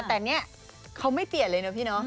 แต่นี่เค้าไม่เปลี่ยนเลยเลยพี่เนอะ